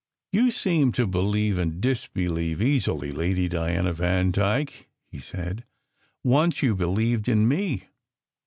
"You seem to believe and disbelieve easily, Lady Diana Vandyke!" he said. "Once you believed in me.